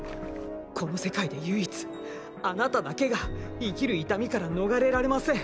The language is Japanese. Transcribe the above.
この世界で唯一あなただけが生きる痛みから逃れられません。